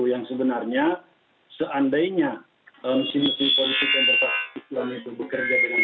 yang sebenarnya seandainya misi misi politik yang berfasilian itu bekerja dengan baik